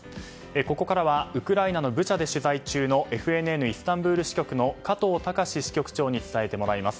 ここからはウクライナのブチャで取材中のＦＮＮイスタンブール支局の加藤崇支局長に伝えてもらいます。